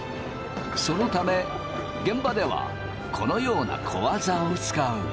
そのため現場ではこのような小技を使う。